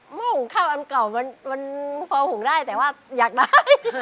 ห้อหุงข้าวอันเก่ามันพอหุงได้แต่ว่าอยากได้